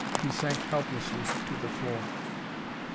He sank helplessly to the floor....